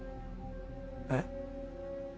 えっ？